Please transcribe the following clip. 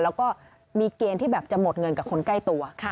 แล้วก็มีเกณฑ์ที่แบบจะหมดเงินกับคนใกล้ตัว